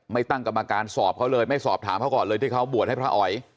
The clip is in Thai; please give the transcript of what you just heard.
ตั้งกรรมการสอบเขาเลยไม่สอบถามเขาก่อนเลยที่เขาบวชให้พระอ๋อย